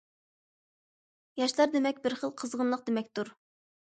ياشلار دېمەك، بىر خىل قىزغىنلىق دېمەكتۇر.